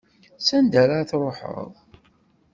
S anda ara truḥeḍ?